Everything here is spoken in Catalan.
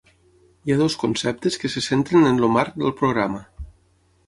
Hi ha dos conceptes que se centren en el marc del programa.